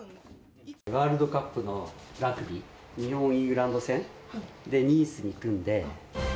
ワールドカップのラグビー、日本・イングランド戦でニースに行くんで。